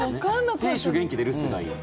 亭主元気で留守がいい。